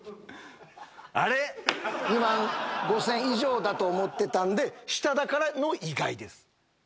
あれ⁉２万５０００円以上だと思ってたんで下だから「意外」です。